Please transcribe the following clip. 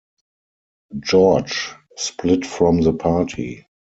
George split from the party.